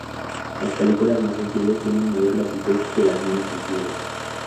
Las películas más sensibles tienen mayor latitud que las menos sensibles.